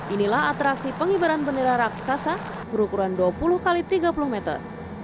inilah atraksi pengibaran bendera raksasa berukuran dua puluh x tiga puluh meter